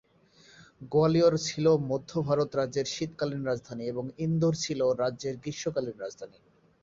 গোয়ালিয়র ছিল মধ্য ভারত রাজ্যের শীতকালীন রাজধানী এবং ইন্দোর ছিল রাজ্যের গ্রীষ্ম কালীন রাজধানী।